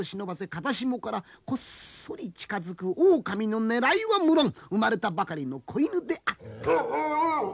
風下からこっそり近づくオオカミの狙いは無論生まれたばかりの子犬であった。